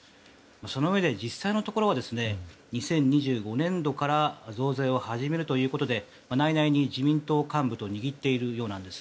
そのうえで実際のところは２０２５年度から増税を始めるということで内々に自民党幹部と握っているようなんです。